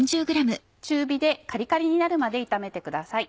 中火でカリカリになるまで炒めてください。